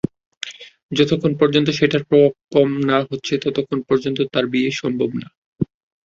যতক্ষন পর্যন্ত সেটার প্রভাব কম না হচ্ছে ততক্ষন পর্যন্ত তার বিয়ে সম্ভব না।